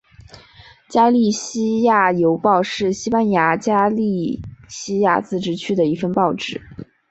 加利西亚邮报是西班牙加利西亚自治区的一份报纸。